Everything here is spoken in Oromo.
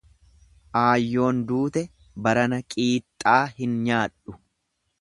Aayyoon duute barana qiixxaa hin nyaadhu.